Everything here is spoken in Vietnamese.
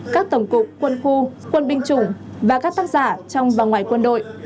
các tổng cục quân khu quân binh chủng và các tác giả trong và ngoài quân đội